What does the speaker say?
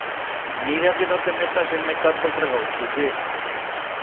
Mira que no te metas en metat d'o fregau, Chusé!